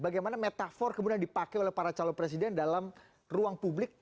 bagaimana metafor kemudian dipakai oleh para calon presiden dalam ruang publik